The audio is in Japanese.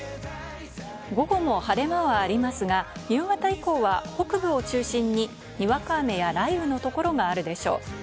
午後も晴れ間はありますが、夕方以降は北部を中心ににわか雨や雷雨の所があるでしょう。